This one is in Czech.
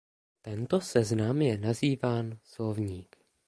Tento seznam je nazýván "slovník".